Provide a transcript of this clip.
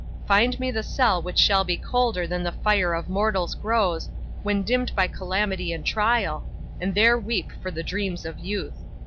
Find me the cell which shall be colder than the fire of mortals grows, when dimmed by calamity and trial, and there weep for the dreams of youth.